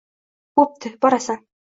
Bo‘pti, borasan.